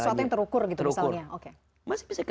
sesuatu yang terukur gitu misalnya